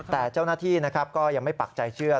แต่เจ้าหน้าที่นะครับก็ยังไม่ปักใจเชื่อ